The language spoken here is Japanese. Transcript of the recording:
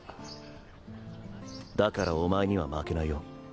だからお前には負けないよ。